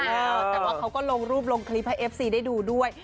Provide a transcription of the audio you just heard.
แต่ว่าเขาก็ลงรูปลงคลิปให้เอฟซีได้ดูด้วย